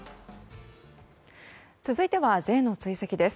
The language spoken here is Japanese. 続いてはＪの追跡です。